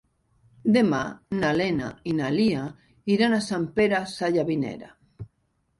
Demà na Lena i na Lia iran a Sant Pere Sallavinera.